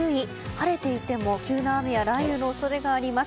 晴れていても急な雨や雷雨の恐れがあります。